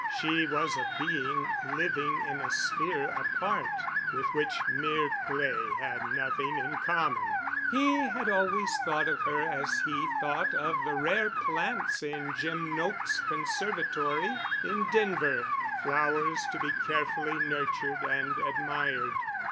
She was a being living in a sphere apart, with which mere clay had nothing in common. He had always thought of her as he thought of the rare plants in Jim Noakes' conservatory in Denver, flowers to be carefully nurtured and admired.